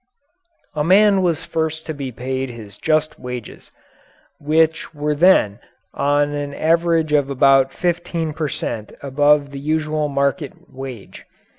A man was first to be paid his just wages which were then on an average of about fifteen per cent. above the usual market wage.